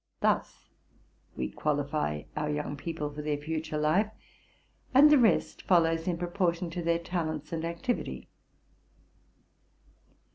Thus we qualify our young people for their future life, and the rest follows in proportion to their talents and activity.